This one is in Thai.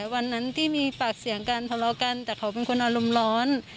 วันนั้นที่มีปากเสียงกันทะเลาะกันแต่เขาเป็นคนอารมณ์ร้อน